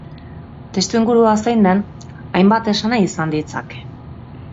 Testuingurua zein den hainbat esanahi izan ditzake.